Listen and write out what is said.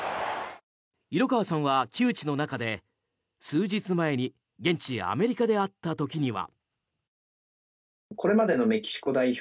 色川さんは旧知の仲で数日前に現地アメリカで会った時には。